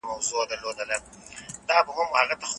هغه د سابو په خوړلو بوخت دی.